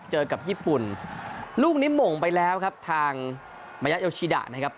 เจอกับญี่ปุ่นลูกนี้หม่งไปแล้วครับทางมายะโยชิดะนะครับ